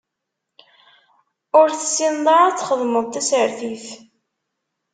Ur tessineḍ ara ad txedmeḍ tasertit.